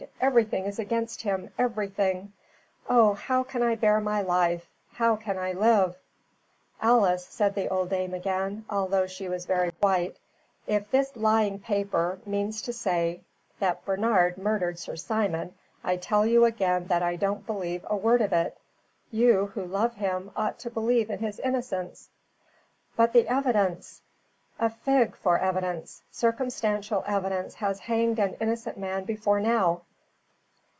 Everything is against him everything. Oh, how can I bear my life? How can I live?" "Alice," said the old dame again, although she was very white, "if this lying paper means to say that Bernard murdered Sir Simon, I tell you again that I don't believe a word of it. You, who love him, ought to believe in his innocence." "But the evidence." "A fig for evidence. Circumstantial evidence has hanged an innocent man before now.